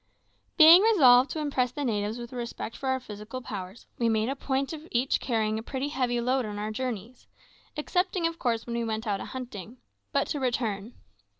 Being resolved to impress the natives with a respect for our physical powers, we made a point of each carrying a pretty heavy load on our journeys excepting, of course, when we went out a hunting. But to return.